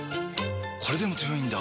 これでも強いんだ！